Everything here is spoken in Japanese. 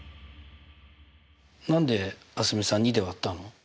何で蒼澄さん２で割ったの？